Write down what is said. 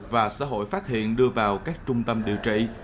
và xã hội phát hiện đưa vào các trung tâm điều trị